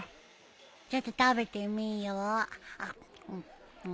ちょっと食べてみよう。